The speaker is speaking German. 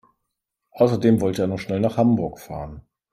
Außerdem wollte er noch schnell nach Hamburg fahren